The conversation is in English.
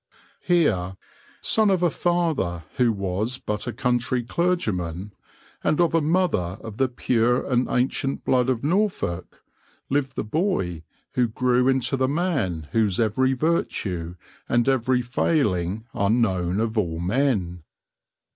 Here, son of a father who was but a country clergyman, and of a mother of the pure and ancient blood of Norfolk, lived the boy who grew into the man whose every virtue and every failing are known of all men.